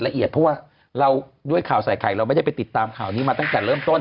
เพราะว่าเราด้วยข่าวใส่ไข่เราไม่ได้ไปติดตามข่าวนี้มาตั้งแต่เริ่มต้น